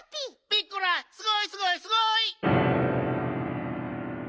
ピッコラすごいすごいすごい！